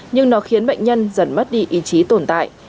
nhưng nó khiến bệnh nhân dần mất đi ý chí tồn tại